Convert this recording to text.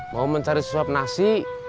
mau mencari suap nasi